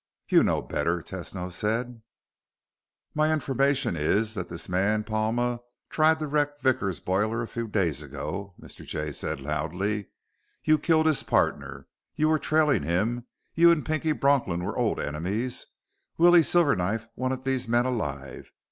"You know better," Tesno said. "My information is that this man Palma tried to wreck Vickers' boiler a few days ago," Mr. Jay said loudly. "You killed his partner. You were trailing him. You and Pinky Bronklin were old enemies. Willie Silverknife wanted these men alive.